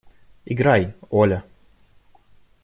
Играй, Оля!